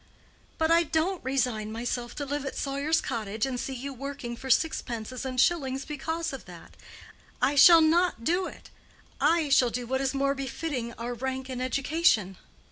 "But I don't resign myself to live at Sawyer's Cottage and see you working for sixpences and shillings because of that. I shall not do it. I shall do what is more befitting our rank and education."